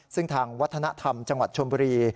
ซึ่งทางวัฒนธรรมจังหวัดชมบุรี